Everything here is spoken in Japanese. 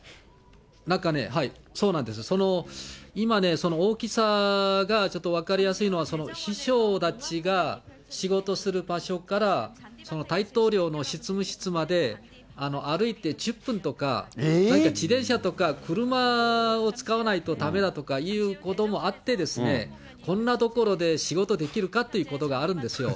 中ね、そうなんです、今ね、大きさがちょっと分かりやすいのは、秘書たちが仕事する場所から大統領の執務室まで歩いて１０分とか、自転車とか車を使わないとだめだとかいうこともあって、こんな所で仕事できるかっていうことがあるんですよ。